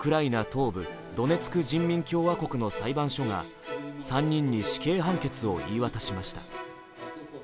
東部ドネツク人民共和国の裁判所が３人に死刑判決を言い渡しました。